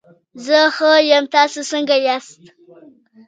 زه ښه یم، تاسو څنګه ياست؟